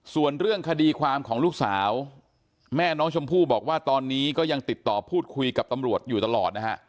ส่วนเรื่องคดีความของลูกสาวแม่น้องชมพู่บอกว่าตอนนี้ก็ยังติดต่อพูดคุยกับตำรวจอยู่ตลอดนะฮะ